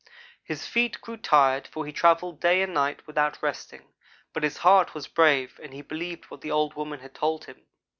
His feet grew tired for he travelled day and night without resting, but his heart was brave and he believed what the old woman had told him.